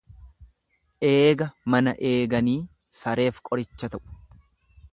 Eega mana eeganii sareef qoricha ta'u.